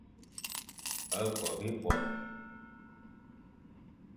A Bo bibuane.